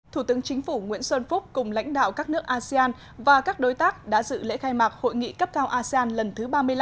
thủ tướng chính phủ nguyễn xuân phúc cùng lãnh đạo các nước asean và các đối tác đã dự lễ khai mạc hội nghị cấp cao asean lần thứ ba mươi năm